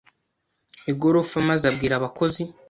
igorofa maze abwira abakozi.